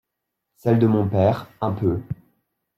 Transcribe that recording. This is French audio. Celle de mon père, un peu!